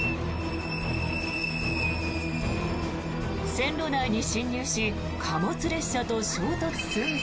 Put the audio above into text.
線路内に進入し貨物列車と衝突寸前。